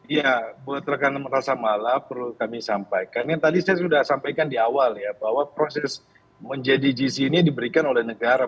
ya buat rekan merasa malah perlu kami sampaikan yang tadi saya sudah sampaikan di awal ya bahwa proses menjadi gc ini diberikan oleh negara